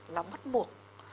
là bắt buộc